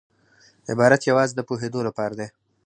عبارت یوازي د پوهېدو له پاره دئ.